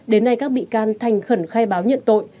đến nay các bị can thành khẩn khai báo nhận tội